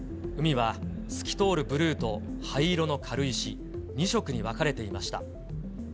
海は透き通るブルーと灰色の軽石２色に分かれていました。